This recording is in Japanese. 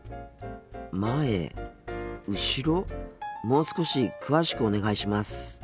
もう少し詳しくお願いします。